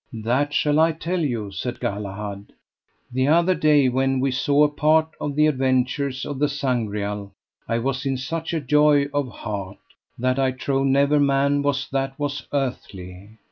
That shall I tell you, said Galahad; the other day when we saw a part of the adventures of the Sangreal I was in such a joy of heart, that I trow never man was that was earthly.